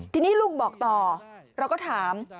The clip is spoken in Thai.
ทีนี้ลุงบอกต่อเราก็ถาม